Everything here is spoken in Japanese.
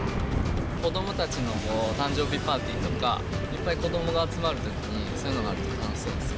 子どもたちの誕生日パーティーとか、いっぱい子どもが集まるときに、そういうのがあると楽しそうです